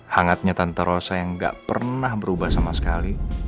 hangatnya tanpa rosa yang gak pernah berubah sama sekali